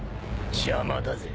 邪魔だぜ。